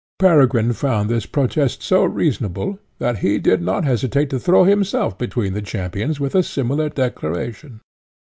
Peregrine found this protest so reasonable, that he did not hesitate to throw himself between the champions with a similar declaration.